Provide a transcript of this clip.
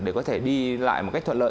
để có thể đi lại